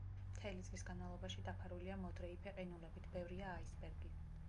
მთელი წლის განმავლობაში დაფარულია მოდრეიფე ყინულებით, ბევრია აისბერგი.